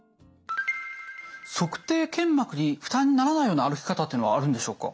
足底腱膜に負担にならないような歩き方っていうのはあるんでしょうか？